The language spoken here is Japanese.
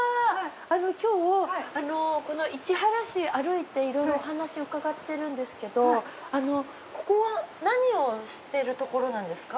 あの今日市原市歩いていろいろお話を伺ってるんですけどここは何をしてるところなんですか？